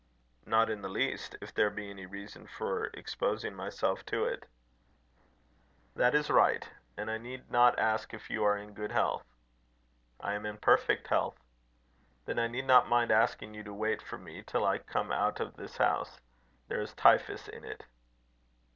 "Not in the least, if there be any reason for exposing myself to it." "That is right . And I need not ask if you are in good health." "I am in perfect health." "Then I need not mind asking you to wait for me till I come out of this house. There is typhus in it."